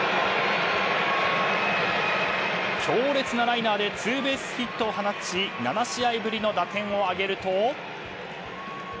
強烈なライナーでツーベースヒットを放ち７試合ぶりの打点を挙げると。